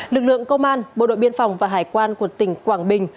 lực lượng công an bộ đội biên phòng và hải quan của tỉnh quảng bình